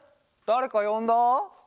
だれかよんだ？